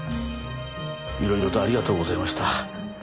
色々とありがとうございました。